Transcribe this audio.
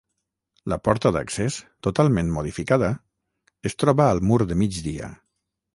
La porta d'accés, totalment modificada, es troba al mur de migdia.